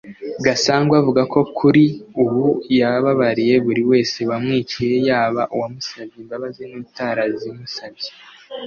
Gasangwa avuga ko kuri ubu yababariye buri wese wamwiciye yaba uwamusabye imbabazi n’utarazimusabye